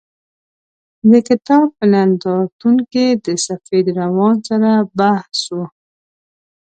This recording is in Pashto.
د کتاب په نندارتون کې د سفید روان سره بحث و.